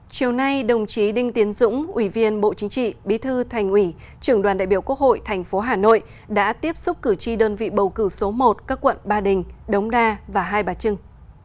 chiều nay đồng chí đinh tiến dũng ủy viên bộ chính trị bí thư thành ủy trưởng đoàn đại biểu quốc hội thành phố hà nội đã tiếp xúc cử tri đơn vị bầu cử số một các quận ba đình đống đa và hai bà trưng